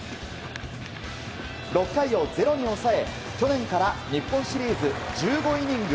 ６回を０に抑え去年から日本シリーズ１５イニング